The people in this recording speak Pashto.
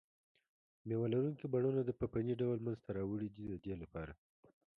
مېوه لرونکي بڼونه په فني ډول منځته راوړي دي د دې لپاره.